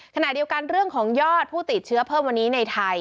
ขณะเดียวกันเรื่องของยอดผู้ติดเชื้อเพิ่มวันนี้ในไทย